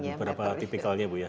kita ada berapa tipikalnya bu ya